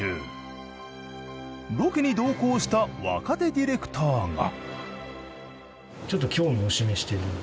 ロケに同行した若手ディレクターが。